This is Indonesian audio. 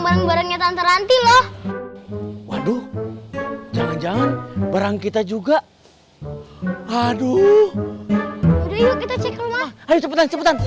barangnya tante rantilo waduh jangan jangan barang kita juga aduh ayo cepetan cepetan